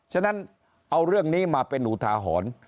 ฉะนั้นเอาเรื่องนี้มาเป็นอุทาหรณ์